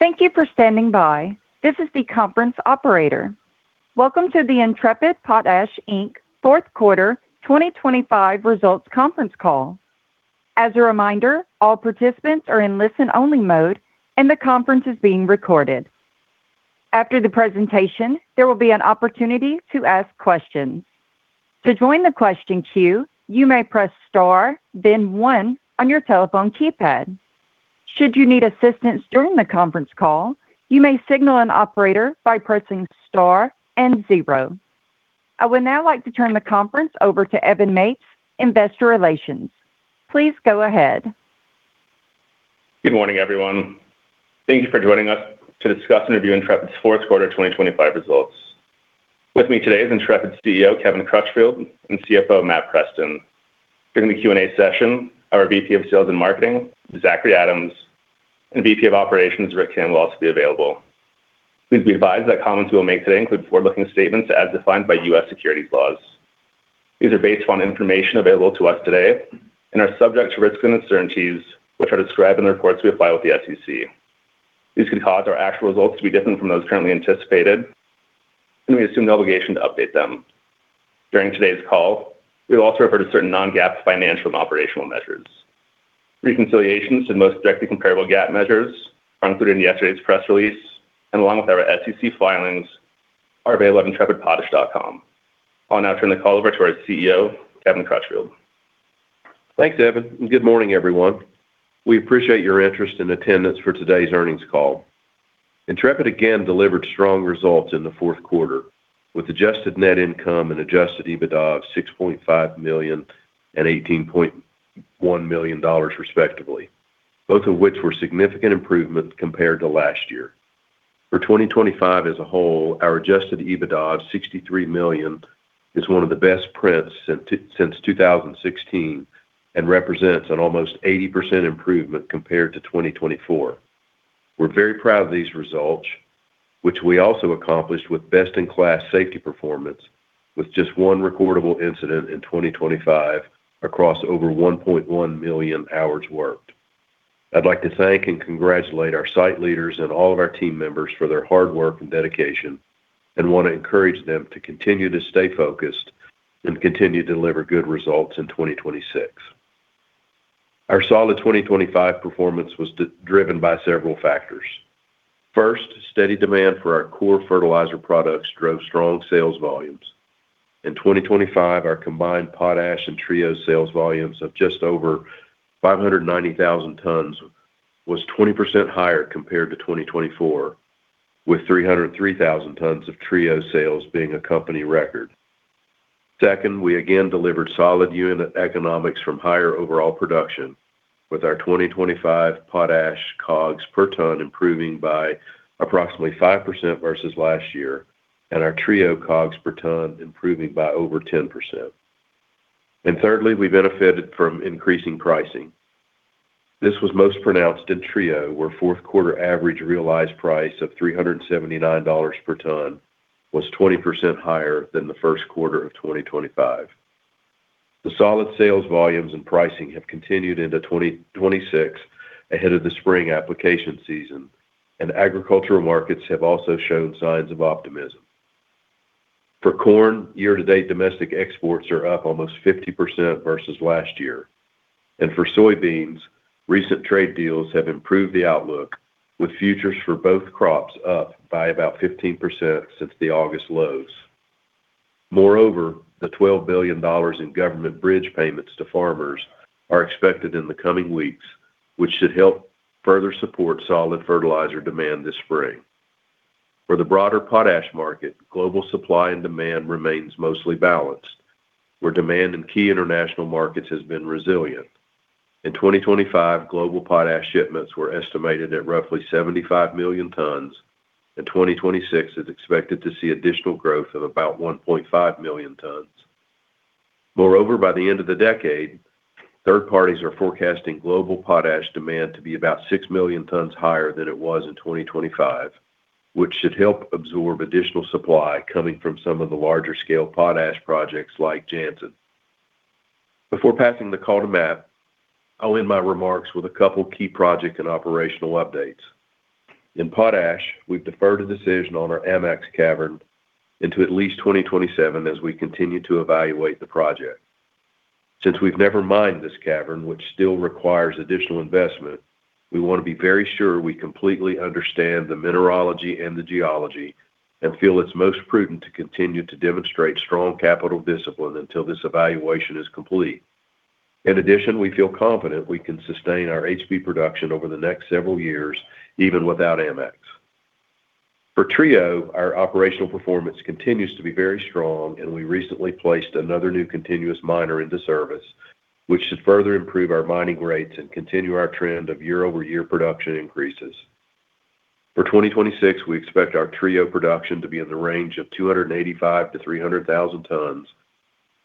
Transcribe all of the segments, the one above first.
Thank you for standing by. This is the conference operator. Welcome to the Intrepid Potash, Inc Fourth Quarter 2025 Results Conference Call. As a reminder, all participants are in listen-only mode and the conference is being recorded. After the presentation, there will be an opportunity to ask questions. To join the question queue, you may press star then one on your telephone keypad. Should you need assistance during the conference call, you may signal an operator by pressing star and zero. I would now like to turn the conference over to Evan Mapes, Investor Relations. Please go ahead. Good morning, everyone. Thank you for joining us to discuss and review Intrepid's Fourth Quarter 2025 Results. With me today is Intrepid's CEO, Kevin Crutchfield, and CFO, Matt Preston. During the Q&A session, our VP of Sales and Marketing, Zachry Adams, and VP of Operations, Rick Cain, will also be available. Please be advised that comments we will make today include forward-looking statements as defined by U.S. securities laws. These are based on information available to us today and are subject to risks and uncertainties, which are described in the reports we file with the SEC. These could cause our actual results to be different from those currently anticipated, and we assume no obligation to update them. During today's call, we'll also refer to certain non-GAAP financial and operational measures. Reconciliations to the most directly comparable GAAP measures are included in yesterday's press release and along with our SEC filings are available at intrepidpotash.com. I'll now turn the call over to our CEO Kevin Crutchfield. Thanks, Evan. Good morning, everyone. We appreciate your interest and attendance for today's earnings call. Intrepid again delivered strong results in the fourth quarter with adjusted net income and adjusted EBITDA of $6.5 million and $18.1 million respectively, both of which were significant improvements compared to last year. For 2025 as a whole, our adjusted EBITDA of $63 million is one of the best prints since 2016 and represents an almost 80% improvement compared to 2024. We're very proud of these results, which we also accomplished with best-in-class safety performance with just one recordable incident in 2025 across over 1.1 million hours worked. I'd like to thank and congratulate our site leaders and all of our team members for their hard work and dedication and wanna encourage them to continue to stay focused and continue to deliver good results in 2026. Our solid 2025 performance was driven by several factors. First, steady demand for our core fertilizer products drove strong sales volumes. In 2025, our combined Potash and Trio sales volumes of just over 590,000 tons was 20% higher compared to 2024, with 303,000 tons of Trio sales being a company record. Second, we again delivered solid unit economics from higher overall production with our 2025 Potash COGS per ton improving by approximately 5% versus last year and our Trio COGS per ton improving by over 10%. Thirdly, we benefited from increasing pricing. This was most pronounced in Trio, where fourth quarter average realized price of $379 per ton was 20% higher than the first quarter of 2025. The solid sales volumes and pricing have continued into 2026 ahead of the spring application season. Agricultural markets have also shown signs of optimism. For corn, year-to-date domestic exports are up almost 50% versus last year. For soybeans, recent trade deals have improved the outlook with futures for both crops up by about 15% since the August lows. The $12 billion in government bridge payments to farmers are expected in the coming weeks, which should help further support solid fertilizer demand this spring. For the broader Potash market, global supply and demand remains mostly balanced, where demand in key international markets has been resilient. In 2025, global Potash shipments were estimated at roughly 75 million tons, and 2026 is expected to see additional growth of about 1.5 million tons. Moreover, by the end of the decade, third parties are forecasting global Potash demand to be about 6 million tons higher than it was in 2025, which should help absorb additional supply coming from some of the larger scale Potash projects like Jansen. Before passing the call to Matt, I'll end my remarks with a couple key project and operational updates. In Potash, we've deferred a decision on our AMAX cavern into at least 2027 as we continue to evaluate the project. Since we've never mined this cavern, which still requires additional investment, we wanna be very sure we completely understand the mineralogy and the geology and feel it's most prudent to continue to demonstrate strong capital discipline until this evaluation is complete. In addition, we feel confident we can sustain our HB production over the next several years, even without AMAX. For Trio, our operational performance continues to be very strong, and we recently placed another new continuous miner into service, which should further improve our mining rates and continue our trend of year-over-year production increases. For 2026, we expect our Trio production to be in the range of 285,000 tons-300,000 tons,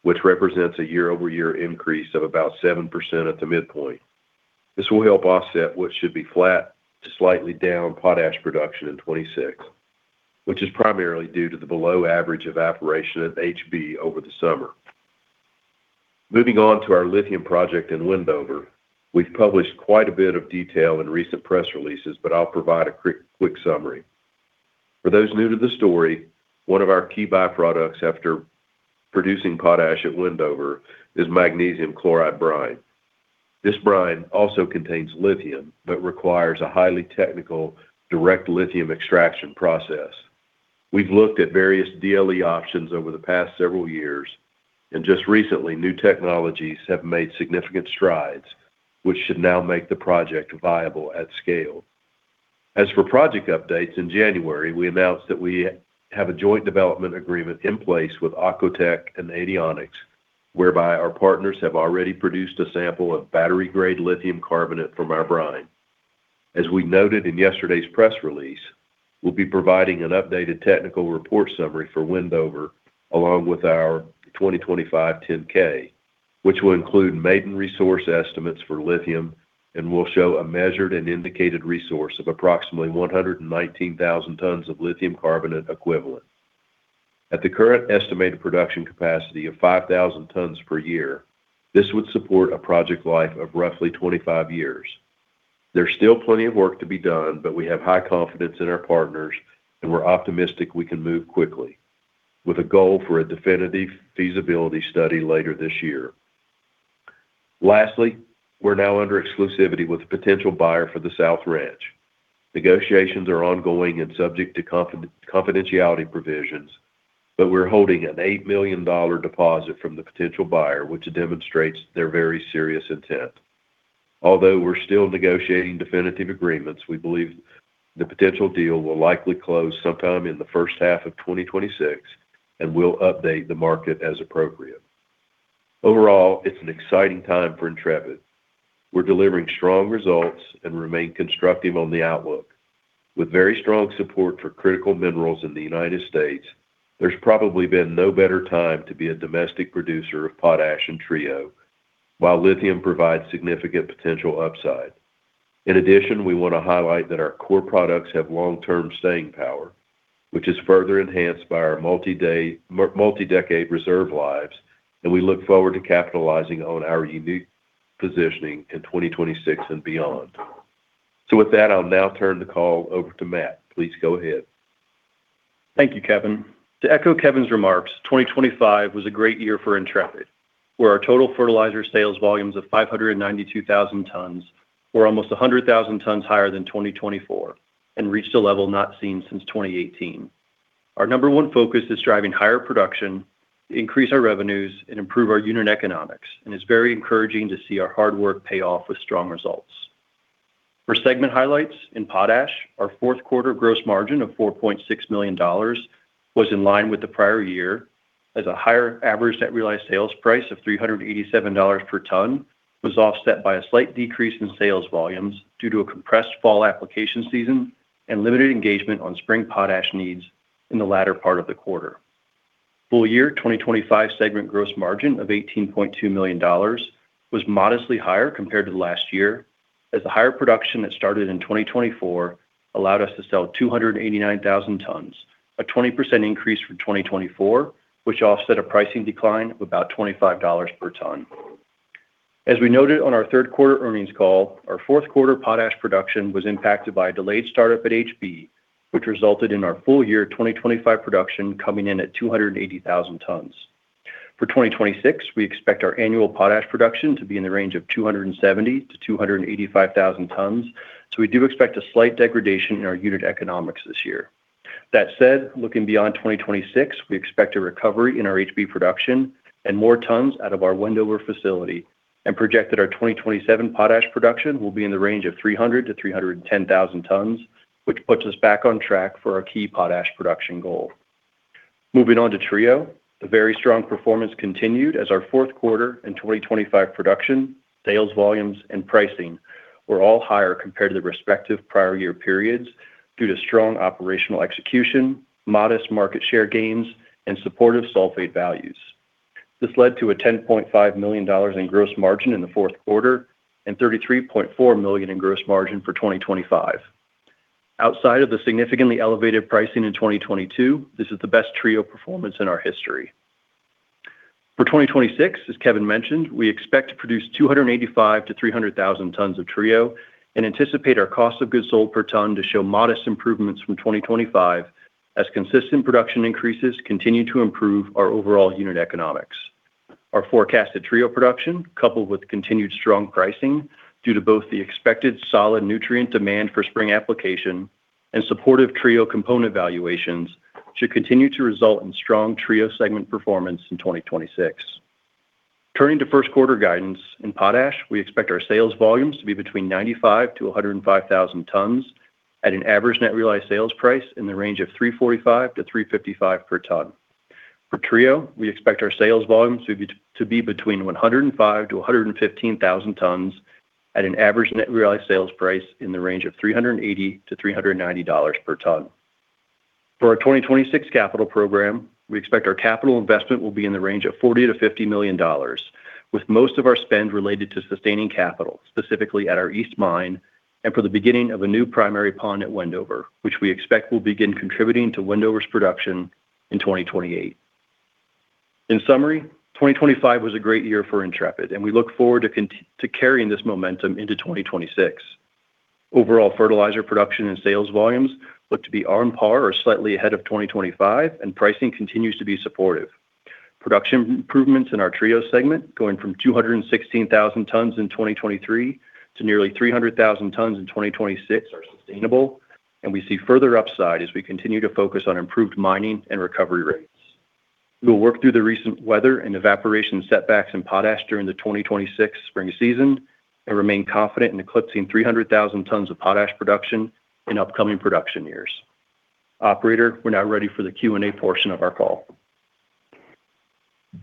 which represents a year-over-year increase of about 7% at the midpoint. This will help offset what should be flat to slightly down potash production in 2026, which is primarily due to the below average evaporation at HB over the summer. Moving on to our lithium project in Wendover. We've published quite a bit of detail in recent press releases, but I'll provide a quick summary. For those new to the story, one of our key byproducts after producing potash at Wendover is magnesium chloride brine. This brine also contains lithium, but requires a highly technical direct lithium extraction process. We've looked at various DLE options over the past several years. Just recently, new technologies have made significant strides, which should now make the project viable at scale. As for project updates, in January, we announced that we have a joint development agreement in place with Aquatech and Adionics, whereby our partners have already produced a sample of battery-grade lithium carbonate from our brine. As we noted in yesterday's press release, we'll be providing an updated technical report summary for Wendover along with our 2025 10-K, which will include maiden resource estimates for lithium and will show a measured and indicated resource of approximately 119,000 tons of lithium carbonate equivalent. At the current estimated production capacity of 5,000 tons per year, this would support a project life of roughly 25 years. There's still plenty of work to be done, but we have high confidence in our partners and we're optimistic we can move quickly with a goal for a definitive feasibility study later this year. Lastly, we're now under exclusivity with a potential buyer for the South Ranch. Negotiations are ongoing and subject to confidentiality provisions, but we're holding a $8 million deposit from the potential buyer, which demonstrates their very serious intent. Although we're still negotiating definitive agreements, we believe the potential deal will likely close sometime in the first half of 2026, and we'll update the market as appropriate. Overall, it's an exciting time for Intrepid. We're delivering strong results and remain constructive on the outlook. With very strong support for critical minerals in the United States, there's probably been no better time to be a domestic producer of Potash and Trio, while lithium provides significant potential upside. We want to highlight that our core products have long-term staying power, which is further enhanced by our multi-decade reserve lives, and we look forward to capitalizing on our unique positioning in 2026 and beyond. With that, I'll now turn the call over to Matt. Please go ahead. Thank you, Kevin. To echo Kevin's remarks, 2025 was a great year for Intrepid, where our total fertilizer sales volumes of 592,000 tons were almost 100,000 tons higher than 2024 and reached a level not seen since 2018. Our number one focus is driving higher production, increase our revenues, and improve our unit economics. It's very encouraging to see our hard work pay off with strong results. For segment highlights in Potash, our fourth quarter gross margin of $4.6 million was in line with the prior year as a higher average net realized sales price of $387 per ton was offset by a slight decrease in sales volumes due to a compressed fall application season and limited engagement on spring potash needs in the latter part of the quarter. Full-year 2025 segment gross margin of $18.2 million was modestly higher compared to last year as the higher production that started in 2024 allowed us to sell 289,000 tons, a 20% increase from 2024, which offset a pricing decline of about $25 per ton. As we noted on our third quarter earnings call, our fourth quarter potash production was impacted by a delayed startup at HB, which resulted in our full-year 2025 production coming in at 280,000 tons. For 2026, we expect our annual potash production to be in the range of 270,000 tons-285,000 tons. We do expect a slight degradation in our unit economics this year. Said, looking beyond 2026, we expect a recovery in our HB production and more tons out of our Wendover facility and project that our 2027 potash production will be in the range of 300,000 tons-310,000 tons, which puts us back on track for our key potash production goal. Moving on to Trio, the very strong performance continued as our fourth quarter in 2025 production, sales volumes, and pricing were all higher compared to the respective prior year periods due to strong operational execution, modest market share gains, and supportive sulfate values. This led to a $10.5 million in gross margin in the fourth quarter and $33.4 million in gross margin for 2025. Outside of the significantly elevated pricing in 2022, this is the best Trio performance in our history. For 2026, as Kevin mentioned, we expect to produce 285,000 tons-300,000 tons of Trio and anticipate our cost of goods sold per ton to show modest improvements from 2025 as consistent production increases continue to improve our overall unit economics. Our forecasted Trio production, coupled with continued strong pricing due to both the expected solid nutrient demand for spring application and supportive Trio component valuations, should continue to result in strong Trio segment performance in 2026. Turning to first quarter guidance, in Potash, we expect our sales volumes to be between 95,000-105,000 tons at an average net realized sales price in the range of $345-$355 per ton. For Trio, we expect our sales volumes to be between 105,000 tons-115,000 tons at an average net realized sales price in the range of $380-$390 per ton. For our 2026 capital program, we expect our capital investment will be in the range of $40 million-$50 million, with most of our spend related to sustaining capital, specifically at our East Mine and for the beginning of a new primary pond at Wendover, which we expect will begin contributing to Wendover's production in 2028. In summary, 2025 was a great year for Intrepid, and we look forward to carrying this momentum into 2026. Overall fertilizer production and sales volumes look to be on par or slightly ahead of 2025, and pricing continues to be supportive. Production improvements in our Trio segment, going from 216,000 tons in 2023 to nearly 300,000 tons in 2026 are sustainable, and we see further upside as we continue to focus on improved mining and recovery rates. We will work through the recent weather and evaporation setbacks in Potash during the 2026 spring season and remain confident in eclipsing 300,000 tons of potash production in upcoming production years. Operator, we're now ready for the Q&A portion of our call.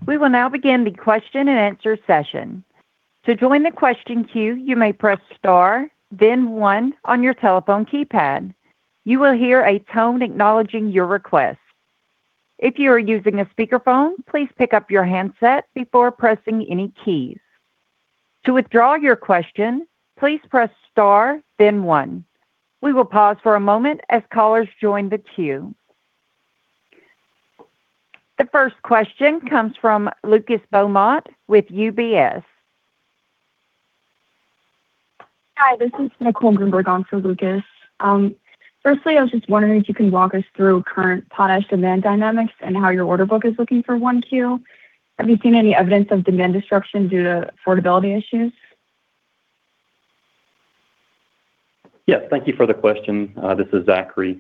We will now begin the question-and-answer session. To join the question queue, you may press star then one on your telephone keypad. You will hear a tone acknowledging your request. If you are using a speakerphone, please pick up your handset before pressing any keys. To withdraw your question, please press star then one. We will pause for a moment as callers join the queue. The first question comes from Lucas Beaumont with UBS. Hi, this is Nicole Grueneberg on for Lucas. Firstly, I was just wondering if you can walk us through current potash demand dynamics and how your order book is looking for 1Q. Have you seen any evidence of demand destruction due to affordability issues? Yes. Thank you for the question. This is Zachry.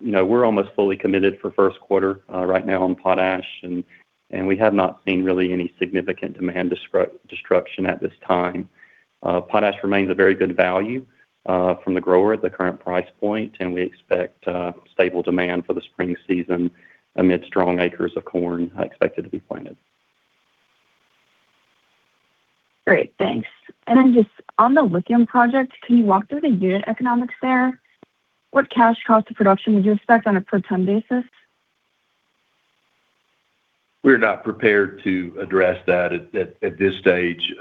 You know, we're almost fully committed for first quarter right now in Potash and we have not seen really any significant demand destruction at this time. Potash remains a very good value from the grower at the current price point, and we expect stable demand for the spring season amid strong acres of corn expected to be planted. Great. Thanks. Then just on the lithium project, can you walk through the unit economics there? What cash cost of production would you expect on a per ton basis? We're not prepared to address that at this stage.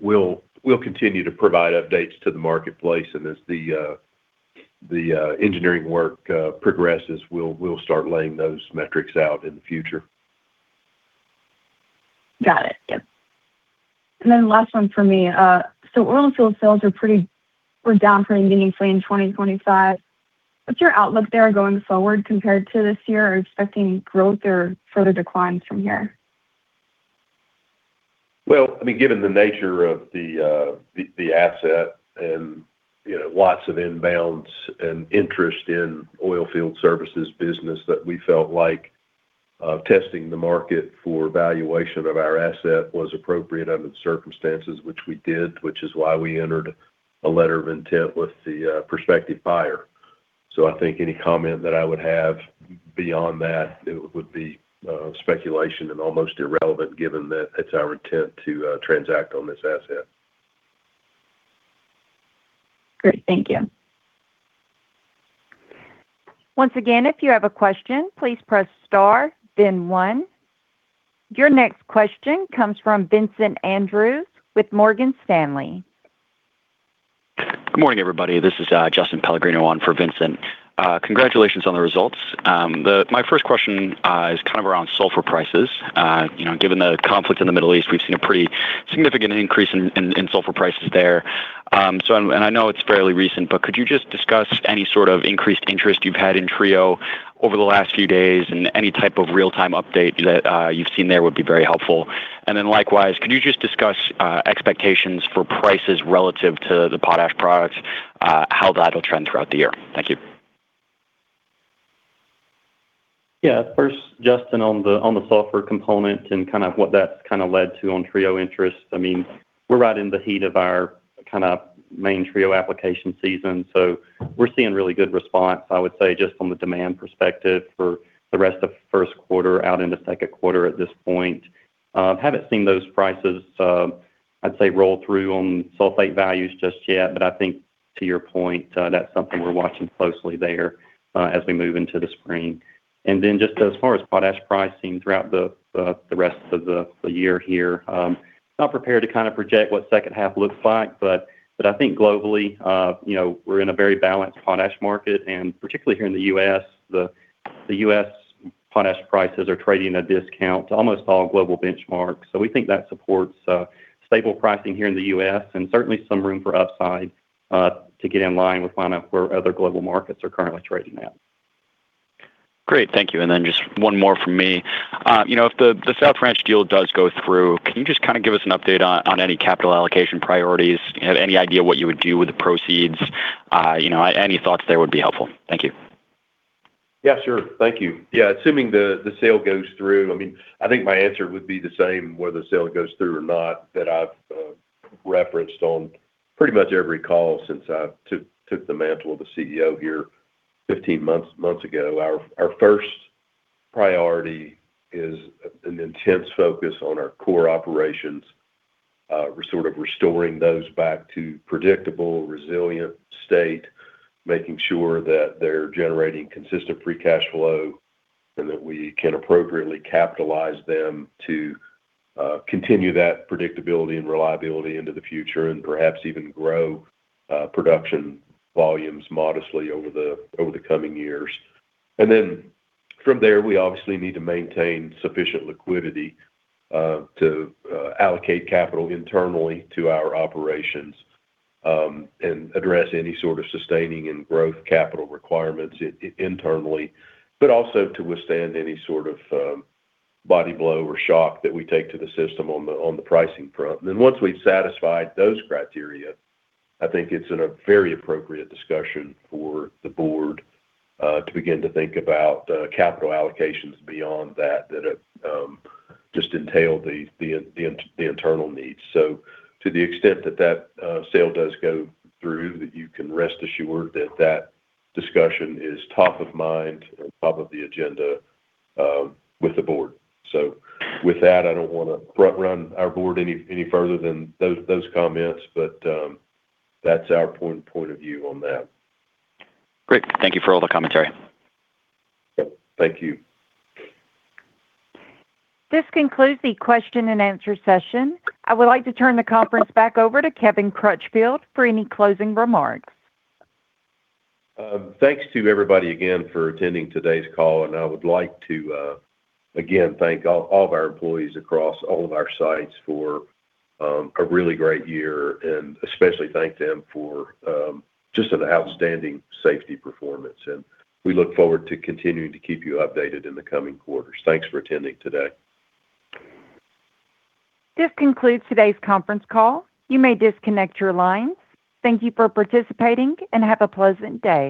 We'll continue to provide updates to the marketplace, as the engineering work progresses, we'll start laying those metrics out in the future. Got it. Yep. Last one for me. Oil Field sales were down pretty meaningfully in 2025. What's your outlook there going forward compared to this year? Are you expecting growth or further declines from here? Well, I mean, given the nature of the asset and, you know, lots of inbounds and interest in Oil Field Services business that we felt like testing the market for valuation of our asset was appropriate under the circumstances which we did, which is why we entered a letter of intent with the prospective buyer. I think any comment that I would have beyond that it would be speculation and almost irrelevant given that it's our intent to transact on this asset. Great. Thank you. Once again, if you have a question, please press star then one. Your next question comes from Vincent Andrews with Morgan Stanley. Good morning, everybody. This is Justin Pellegrino on for Vincent. Congratulations on the results. My first question is kind of around sulfur prices. You know, given the conflict in the Middle East, we've seen a pretty significant increase in sulfur prices there. I know it's fairly recent, but could you just discuss any sort of increased interest you've had in Trio over the last few days and any type of real-time update that you've seen there would be very helpful. Likewise, can you just discuss expectations for prices relative to the Potash products, how that'll trend throughout the year? Thank you. First, Justin, on the sulfur component and kind of what that's led to on Trio interest, I mean, we're right in the heat of our kinda main Trio application season, so we're seeing really good response, I would say, just from the demand perspective for the rest of first quarter out into second quarter at this point. Haven't seen those prices, I'd say roll through on sulfate values just yet, but I think to your point, that's something we're watching closely there as we move into the spring. Just as far as Potash pricing throughout the rest of the year here, not prepared to kinda project what second half looks like, but I think globally, you know, we're in a very balanced Potash market. Particularly here in the U.S., the U.S. potash prices are trading at a discount to almost all global benchmarks. We think that supports stable pricing here in the U.S. and certainly some room for upside to get in line with kind of where other global markets are currently trading at. Great. Thank you. Just one more from me. You know, if the South Ranch deal does go through, can you just kinda give us an update on any capital allocation priorities? Do you have any idea what you would do with the proceeds? You know, any thoughts there would be helpful. Thank you. Yeah, sure. Thank you. Yeah, assuming the sale goes through, I mean, I think my answer would be the same whether the sale goes through or not that I've referenced on pretty much every call since I've took the mantle of the CEO here 15 months ago. Our first priority is an intense focus on our core operations. We're sort of restoring those back to predictable, resilient state, making sure that they're generating consistent free cash flow and that we can appropriately capitalize them to continue that predictability and reliability into the future and perhaps even grow production volumes modestly over the coming years. From there, we obviously need to maintain sufficient liquidity to allocate capital internally to our operations and address any sort of sustaining and growth capital requirements internally, but also to withstand any sort of body blow or shock that we take to the system on the pricing front. Once we've satisfied those criteria, I think it's in a very appropriate discussion for the Board to begin to think about capital allocations beyond that just entail the internal needs. To the extent that that sale does go through, that you can rest assured that that discussion is top of mind and top of the agenda with the Board. With that, I don't wanna front run our Board any further than those comments, but that's our point of view on that. Great. Thank you for all the commentary. Yep. Thank you. This concludes the question-and-answer session. I would like to turn the conference back over to Kevin Crutchfield for any closing remarks. Thanks to everybody again for attending today's call, and I would like to again thank all of our employees across all of our sites for a really great year and especially thank them for just an outstanding safety performance. We look forward to continuing to keep you updated in the coming quarters. Thanks for attending today. This concludes today's conference call. You may disconnect your lines. Thank you for participating, and have a pleasant day.